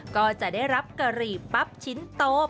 ก็จะได้รับกะหรี่ปั๊บชิ้นโต